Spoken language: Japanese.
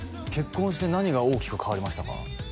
結婚して何が大きく変わりましたか？